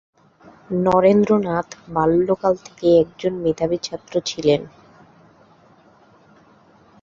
নরেন্দ্রনাথ বাল্যকাল থেকেই একজন মেধাবী ছাত্র ছিলেন।